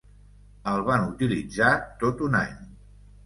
El van utilitzar tot un any.